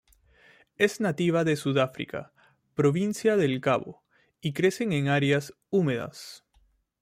Es nativa de Sudáfrica, Provincia del Cabo; y crece en áreas húmedas.